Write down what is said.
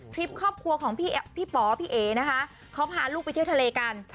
คลิปครอบครัวของพี่ป๋อพี่เอ๋นะคะเขาพาลูกไปเที่ยวทะเลกัน